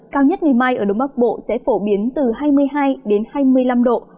cao nhất ngày mai ở đông bắc bộ sẽ phổ biến từ hai mươi hai đến hai mươi năm độ